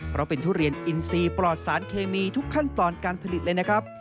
เพราะเป็นทุเรียนอินซีปลอดสารเคมีทุกขั้นตอนการผลิตเลยนะครับ